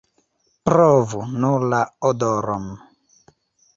Provu nur la odoron!